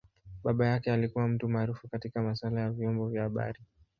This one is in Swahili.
Baba yake alikua mtu maarufu katika masaala ya vyombo vya habari.